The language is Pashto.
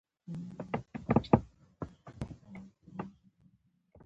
په عین وخت کې لومړۍ لواء ته امر وشي.